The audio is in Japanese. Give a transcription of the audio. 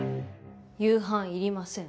夕飯いりません。